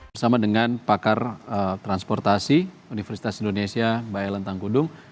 bersama dengan pakar transportasi universitas indonesia mbak ellen tangkudung